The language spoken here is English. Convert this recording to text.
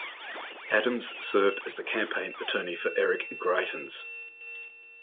Adams served as the campaign attorney for Eric Greitens.